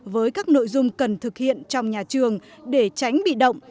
với các nội dung cần thực hiện trong nhà trường để tránh bị động